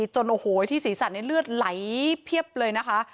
จนโอ้โหที่ศีรษะในเลือดไหลเพียบเลยนะคะ